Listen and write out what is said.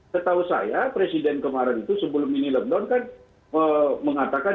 setahu saya presiden kemarin itu sebelum mini lockdown kan mengatakan